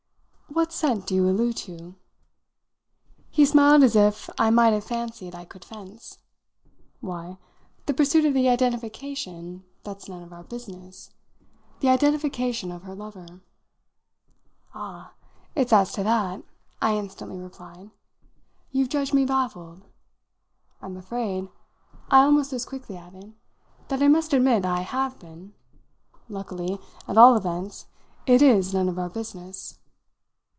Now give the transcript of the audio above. "What scent do you allude to?" He smiled as if I might have fancied I could fence. "Why, the pursuit of the identification that's none of our business the identification of her lover." "Ah, it's as to that," I instantly replied, "you've judged me baffled? I'm afraid," I almost as quickly added, "that I must admit I have been. Luckily, at all events, it is none of our business."